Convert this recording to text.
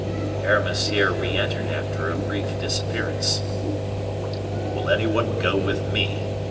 Aramis here re entered after a brief disappearance. "Will any one go with me?"